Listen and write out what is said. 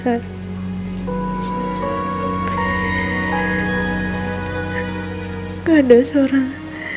gak ada seorang